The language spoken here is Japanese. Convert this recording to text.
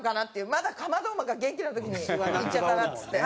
まだカマドウマが元気な時に行っちゃったなっつって。